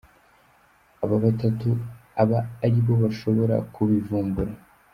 Aba batatu aba aribo bashobora kubivumbura.